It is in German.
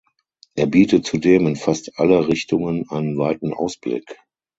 Er bietet zudem in fast alle Richtungen einen weiten Ausblick.